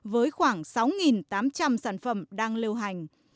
với khoảng sáu tám trăm linh sản phẩm đang lưu hành